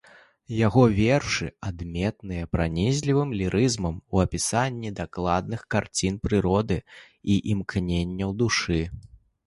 Яго вершы адметныя пранізлівым лірызмам у апісанні дакладных карцін прыроды і імкненняў душы.